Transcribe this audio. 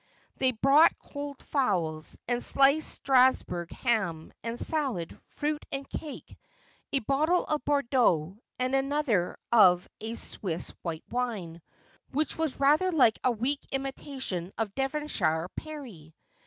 They brought cold fowls, and sliced Strasburg ham, and salad, fruit and cake, a bottle of Bordeaux, and another of a Swiss white wine, which was rather like a weak imitation of Devon shire perry.